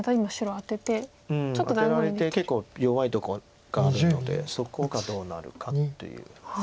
アテられて結構弱いとこがあるのでそこがどうなるかっていう。